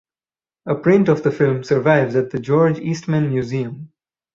A print of the film survives at the George Eastman Museum.